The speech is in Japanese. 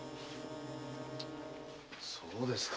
そうですか。